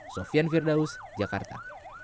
sofian firdaus jakarta